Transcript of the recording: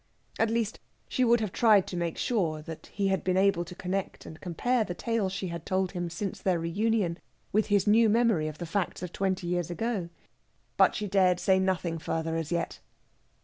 At least, she would have tried to make sure that he had been able to connect and compare the tale she had told him since their reunion with his new memory of the facts of twenty years ago. But she dared say nothing further as yet.